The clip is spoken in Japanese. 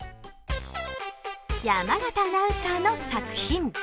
山形アナウンサーの作品。